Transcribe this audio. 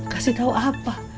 kasih tau apa